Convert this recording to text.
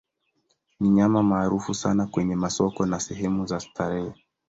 Ni nyama maarufu sana kwenye masoko na sehemu za starehe.